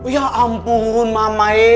ya ampun mama ee